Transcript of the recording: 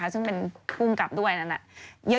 ซึ่งเป็นภูมิกับด้วย